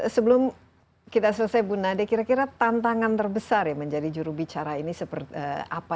sebelum kita selesai bu nade kira kira tantangan terbesar ya menjadi jurubicara ini seperti apa